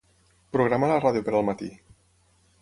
Programa la ràdio per al matí.